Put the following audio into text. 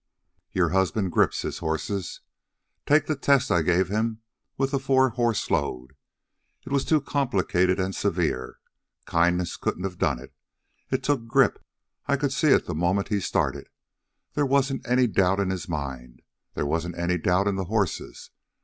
Your husband grips his horses. Take the test I gave him with the four horse load. It was too complicated and severe. Kindness couldn't have done it. It took grip. I could see it the moment he started. There wasn't any doubt in his mind. There wasn't any doubt in the horses.